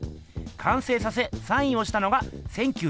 完成させサインをしたのが１９４９年。